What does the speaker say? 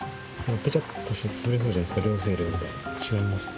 ペチャッとして潰れそうじゃないですか両生類みたいな。違いますね。